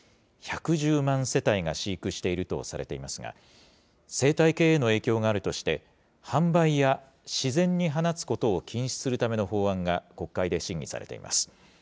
１１０万世帯が飼育しているとされていますが、生態系への影響があるとして、販売や自然に放つことを禁止するための法案が国会で審議されています。